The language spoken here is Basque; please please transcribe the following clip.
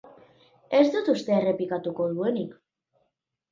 Ez dut uste errepikatuko duenik.